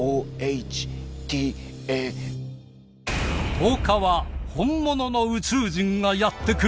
１０日は本物の宇宙人がやって来る！